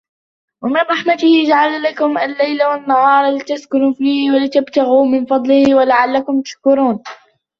ومن رحمته جعل لكم الليل والنهار لتسكنوا فيه ولتبتغوا من فضله ولعلكم تشكرون